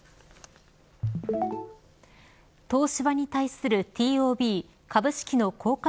東芝に対するＴＯＢ＝株式の公開